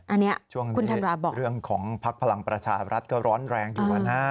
อันนี้คุณธรรมดาบอกช่วงนี้เรื่องของพักพลังประชารัฐก็ร้อนแรงดีกว่านะ